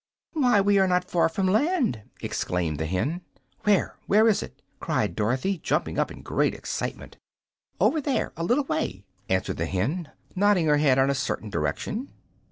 "Why, we are not far from land!" exclaimed the hen. "Where? Where is it?" cried Dorothy, jumping up in great excitement. "Over there a little way," answered the hen, nodding her head in a certain direction.